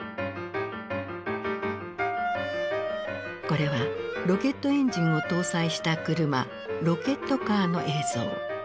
これはロケットエンジンを搭載した車ロケットカーの映像。